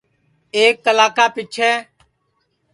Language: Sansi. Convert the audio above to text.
ایک کلا کا پیچھیں